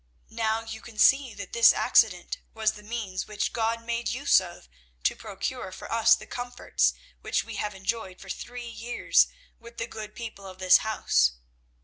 Now you can see that this accident was the means which God made use of to procure for us the comforts which we have enjoyed for three years with the good people of this house.